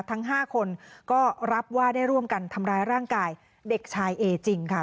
ทั้ง๕คนก็รับว่าได้ร่วมกันทำร้ายร่างกายเด็กชายเอจริงค่ะ